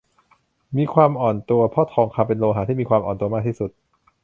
มีความอ่อนตัว เพราะทองคำเป็นโลหะที่มีความอ่อนตัวมากที่สุด